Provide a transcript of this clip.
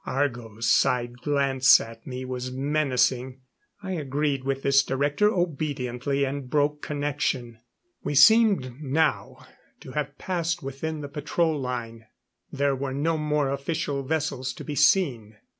Argo's side glance at me was menacing. I agreed with this director obediently and broke connection. We seemed now to have passed within the patrol line. There were no more official vessels to be seen.